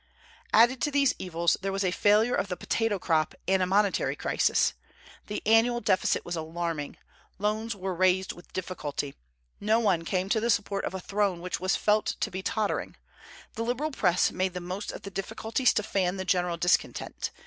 Added to these evils, there was a failure of the potato crop and a monetary crisis. The annual deficit was alarming. Loans were raised with difficulty. No one came to the support of a throne which was felt to be tottering. The liberal Press made the most of the difficulties to fan the general discontent.